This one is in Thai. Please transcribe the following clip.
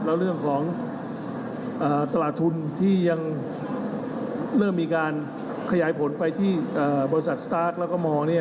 แล้วเรื่องของตลาดทุนที่ยังเริ่มมีการขยายผลไปที่บริษัทสตาร์ทแล้วก็ม